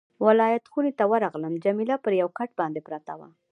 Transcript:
ولادت خونې ته ورغلم، جميله پر یو کټ باندې پرته وه.